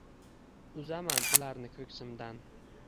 Uzaman ularni ko’ksimdan…